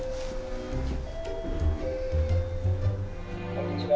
こんにちは。